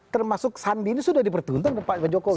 termasuk sandi ini sudah dipertuntung pak jokowi